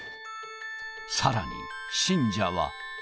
さらに、信者は。